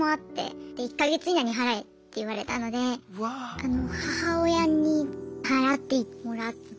１か月以内に払えって言われたのであの母親に払ってもらって。